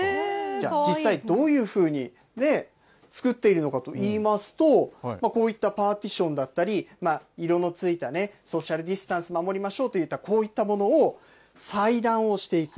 じゃあ、実際、どういうふうに作っているのかといいますと、こういったパーティションだったり、色のついたソーシャルディスタンスを守りましょうといった、こういったものを裁断をしていく。